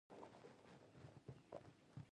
د ریګستان ولسوالۍ ریګي ده